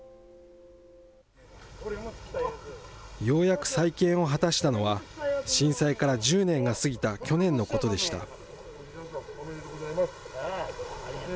ようやく再建を果たしたのは、震災から１０年が過ぎた去年のことでした。